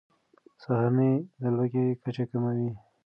سهارنۍ د لوږې کچه کموي.